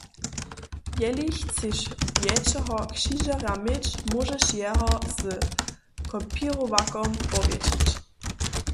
Jeli chceš wjetšeho křižerja měć, móžeš jeho z kopěrowakom powjetšić.